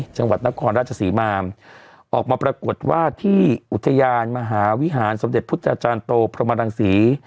จังหวัดนครราชศรีมาออกมาปรากฏว่าที่อุทยานมหาวิหารสมเด็จพุทธาจารย์โตพรหมรังศรี